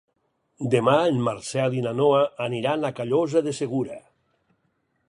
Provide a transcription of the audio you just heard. Demà en Marcel i na Noa aniran a Callosa de Segura.